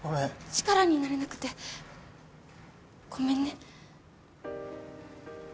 力になれなくてごめんね。